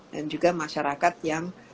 dan juga masyarakat yang